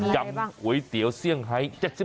ยำก๋วยเตี๋ยวเซี่ยงไฮ๗๐บาท